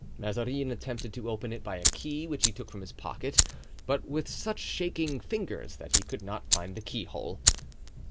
Mazarin attempted to open it by a key which he took from his pocket, but with such shaking fingers that he could not find the keyhole.